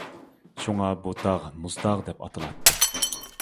شۇڭا بۇ تاغ مۇزتاغ دەپ ئاتىلاتتى.